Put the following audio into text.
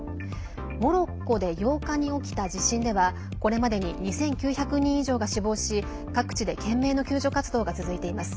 モロッコで８日に起きた地震では、これまでに２９００人以上が死亡し各地で懸命の救助活動が続いています。